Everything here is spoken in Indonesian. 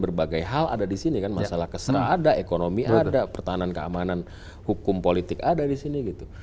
berbagai hal ada di sini kan masalah keserah ada ekonomi ada pertahanan keamanan hukum politik ada di sini gitu